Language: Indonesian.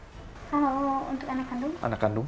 kalau untuk anak kandung